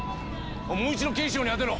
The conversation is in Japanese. もう一度警視庁に当てろ！